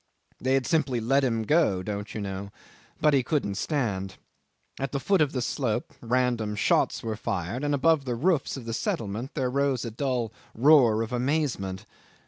They had simply let him go don't you know? but he couldn't stand. At the foot of the slope random shots were fired, and above the roofs of the settlement there rose a dull roar of amazement.